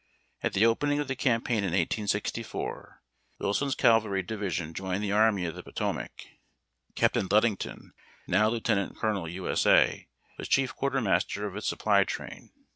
At the opening of the campaign in 1864, Wilson's cavalry division joined the Army of the Potomac. Captain Ludington (now lieutenant colo nel, U. S. A.) was chief quartermaster of its supply train.